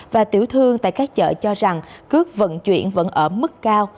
và tiểu thương tại các chợ cho rằng cước vận chuyển vẫn ở mức cao